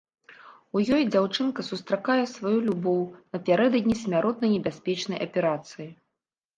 У ёй дзяўчынка сустракае сваю любоў напярэдадні смяротна небяспечнай аперацыі.